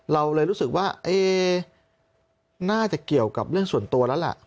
เราเลยรู้สึกว่าน่าจะเกี่ยวกับเรื่องส่วนตัวแล้วล่ะ